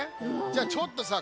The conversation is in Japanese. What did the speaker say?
じゃあちょっとさ